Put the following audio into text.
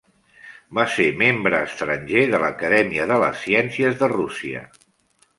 Va ser membre estranger de l'Acadèmia de les Ciències de Rússia.